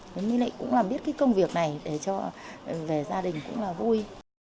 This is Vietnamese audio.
thế mình lại cũng làm biết cái công việc này để cho về gia đình cũng là vui